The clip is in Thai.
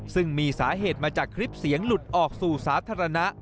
ซึ่งมีสาเหตุมาจากคลิปเสียงหลุดออกสู่สาธารณะ